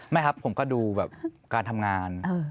ไม่ครับผมก็ดูแบบการทำงาน